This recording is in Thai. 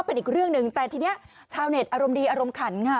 เป็นอีกเรื่องหนึ่งแต่ทีนี้ชาวเน็ตอารมณ์ดีอารมณ์ขันค่ะ